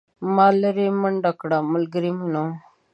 ما لیرې منډه کړه ملګری مې نه و.